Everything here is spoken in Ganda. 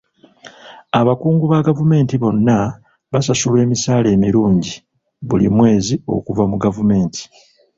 Abakungu ba gavumenti bonna basasulwa emisaala emirungi buli mwezi okuva mu gavumenti